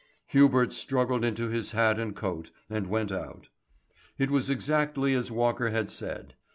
Hubert struggled into his hat and coat, and went out. It was exactly as Walker had said.